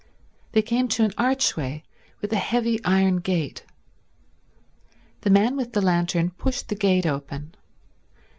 They came to an archway with a heavy iron gate. The man with the lantern pushed the gate open.